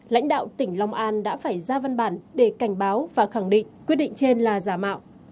lãnh đạo tỉnh long an đã phải ra văn bản để cảnh báo và khẳng định quyết định trên là giả mạo